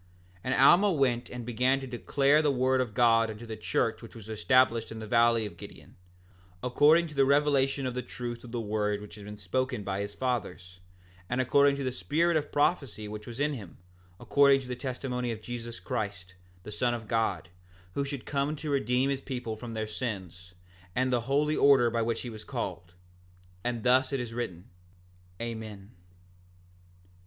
6:8 And Alma went and began to declare the word of God unto the church which was established in the valley of Gideon, according to the revelation of the truth of the word which had been spoken by his fathers, and according to the spirit of prophecy which was in him, according to the testimony of Jesus Christ, the Son of God, who should come to redeem his people from their sins, and the holy order by which he was called. And thus it is written. Amen.